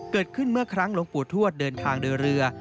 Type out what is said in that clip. เกิดขึ้นเมื่อครั้งหลวงปู่ทวดเดินทางโดยเรือ